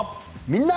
「みんな！